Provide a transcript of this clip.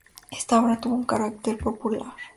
Esta obra tuvo un carácter popular.